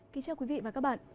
kính chào quý vị và các bạn